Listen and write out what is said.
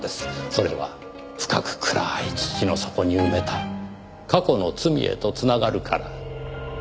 それは深く暗い土の底に埋めた過去の罪へとつながるから。